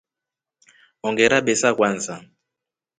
Ongerabesa Kwanza.